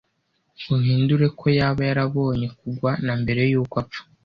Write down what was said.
uhindure ko yaba yarabonye kugwa na mbere yuko apfa